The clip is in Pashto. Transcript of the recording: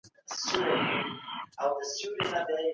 چي له دام څخه